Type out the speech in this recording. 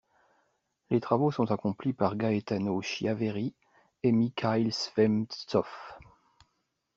Les travaux sont accomplis par Gaetano Chiaveri et Mikhaïl Zemtsov.